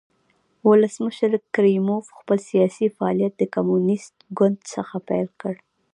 ولسمشر کریموف خپل سیاسي فعالیت د کمونېست ګوند څخه پیل کړ.